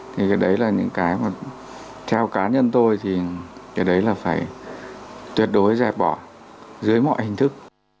thì cái đấy là những cái mà theo cá nhân tôi thì cái đấy là phải tuyệt đối dẹp bỏ dưới mọi hình thức